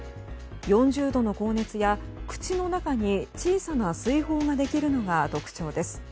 ４０度の高熱や、口の中に小さな水泡ができるのが特徴です。